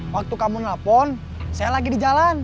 waktu kamu nelfon saya lagi di jalan